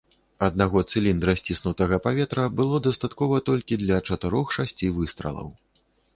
Аднаго цыліндра сціснутага паветра было дастаткова толькі для чатырох-шасці выстралаў.